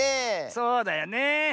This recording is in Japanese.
そうだよね。